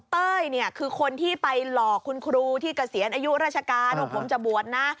เต้ยเนี่ยคือคนที่ไปหลอกคุณครูที่เกษียณอายุราชการว่าผมจะบวชนะ